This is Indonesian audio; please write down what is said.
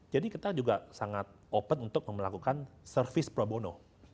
jadi kita juga sangat open untuk melakukan service pro bono